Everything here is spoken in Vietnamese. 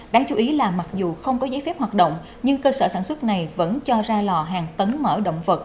đáng chú ý là mặc dù không có giấy phép hoạt động nhưng cơ sở sản xuất này vẫn cho ra lò hàng tấn mở động vật